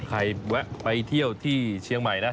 แวะไปเที่ยวที่เชียงใหม่นะ